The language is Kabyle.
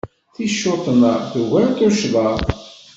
Ticcuṭna tugar tuccḍa.